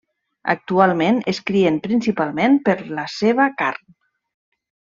Actualment es crien principalment per la seva carn.